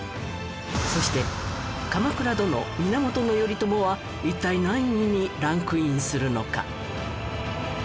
そして鎌倉殿源頼朝は一体何位にランクインするのか？